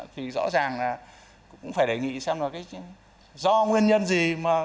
thì rõ ràng là cũng phải đề nghị xem là cái do nguyên nhân gì mà